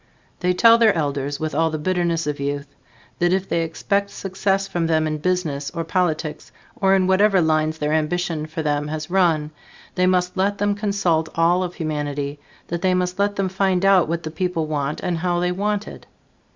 They tell their elders with all the bitterness of youth that if they expect success from them in business or politics or in whatever lines their ambition for them has run, they must let them consult all of humanity; that they must let them find out what the people want and how they want it.